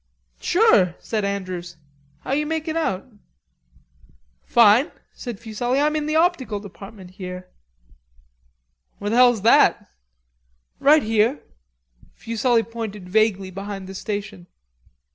"Sure," said Andrews. "How are you makin' out?" "Fine," said Fuselli. "I'm in the optical department here." "Where the hell's that?" "Right here." Fuselli pointed vaguely behind the station.